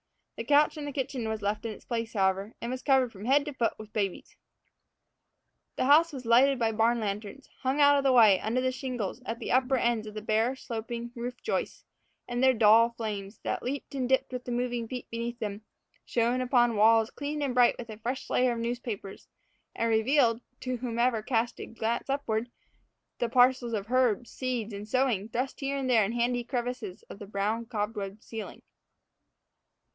The couch in the kitchen was left in its place, however, and was covered from head to foot with babies. The house was lighted by barn lanterns, hung out of the way under the shingles at the upper ends of the bare, sloping roof joists, and their dull flames, that leaped and dipped with the moving feet beneath them, shone upon walls clean and bright in a fresh layer of newspapers, and revealed, to whomever cast a look upward, the parcels of herbs, seeds, and sewing thrust here and there in handy crevices of the brown, cobwebbed ceiling.